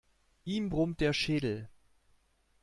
Ihm brummt der Schädel.